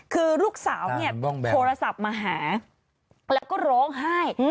คือลูกสาวเนี่ยโทรศัพท์มาหาแล้วก็ร้องไห้